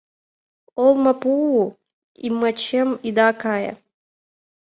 Олмапу йымачем ида кае -